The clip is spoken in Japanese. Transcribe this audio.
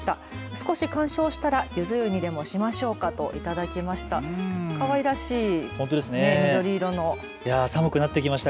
少し鑑賞したらゆず湯にでもしましょうかと頂きました。